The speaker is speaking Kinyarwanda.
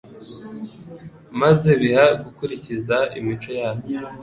maze biha gukurikiza imico yabo